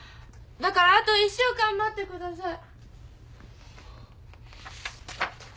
だからあと１週間待ってください。